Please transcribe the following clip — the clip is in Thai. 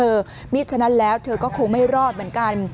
เพราะฉะนั้นแล้วเธอก็คงไม่รอดเหมือนกัน